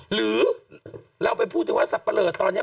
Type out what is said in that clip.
หรือเราไปพูดถึงว่าสัตว์ประเริดตอนเนี้ย